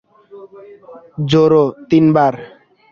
জোরে, তিনবার!